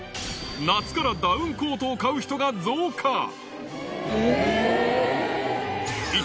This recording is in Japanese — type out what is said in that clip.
夏からダウンコートを買う人が増加。